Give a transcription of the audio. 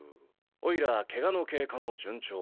おいらケガの経過も順調。